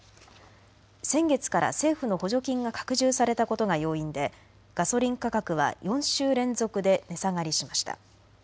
先月から政府の補助金が拡充されたことが要因でガソリン価格は４週連続で値下がりしました。